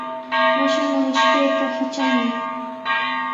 Washaman ishpayta hitramuy.